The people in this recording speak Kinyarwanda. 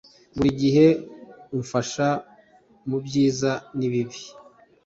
Buri gihe umfasha mubyiza nibibi